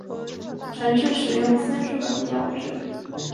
神是使用仙术的必要值。